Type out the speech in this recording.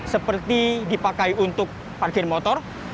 seperti dipakai untuk parkir motor